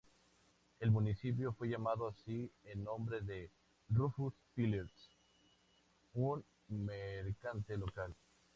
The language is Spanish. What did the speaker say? El municipio fue llamado así en nombre de Rufus Phillips, un mercante local.